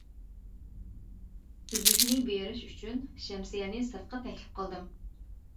ئۈزۈكنى بېرىش ئۈچۈن شەمسىيەنى سىرتقا تەكلىپ قىلدىم.